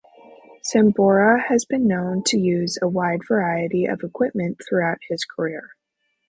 Sambora has been known to use a wide variety of equipment throughout his career.